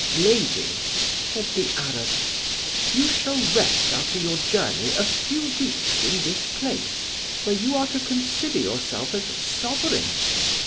'Lady,' said the Arab, 'you shall rest after your journey a few weeks in this place, where you are to consider yourself as Sovereign.